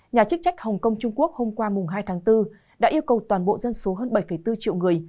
nhà chức trách hồng kông trung quốc hôm qua hai tháng bốn đã yêu cầu toàn bộ dân số hơn bảy bốn triệu người